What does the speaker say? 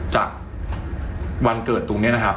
จากวันเกิดตูมเนี่ยนะครับ